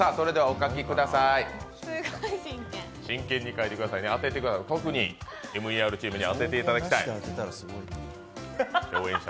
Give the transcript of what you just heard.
真剣に書いてください、特にＭＥＲのチームに当てていただきたい。